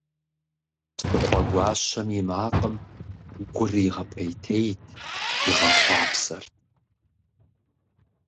Псыхъуэгуащэм и макъым гур игъэпӏейтейт, игъэхъупсэрт.